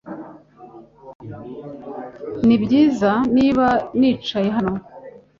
Nibyiza niba nicaye hano?